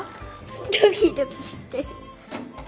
ドキドキしてる。